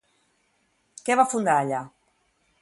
Què va fundar allà?